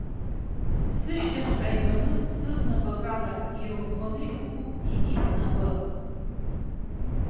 Сышьҭахьҟа иганы сызнапык ала ирыӷәӷәаны искуп егьи снапы.